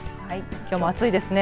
きょうも暑いですね。